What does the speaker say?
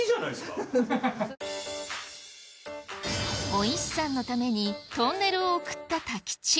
お石さんのためにトンネルを贈った太吉